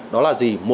đó là gì